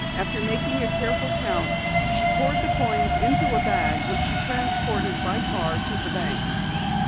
After making a careful count, she poured the coins into a bag which she transported by car to the bank.